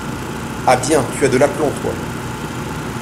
Ah bien, tu as de l’aplomb, toi !